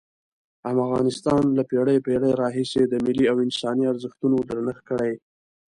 افغانستان له پېړیو پېړیو راهیسې د ملي او انساني ارزښتونو درنښت کړی.